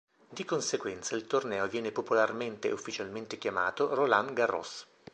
Di conseguenza il torneo viene popolarmente e ufficialmente chiamato Roland Garros.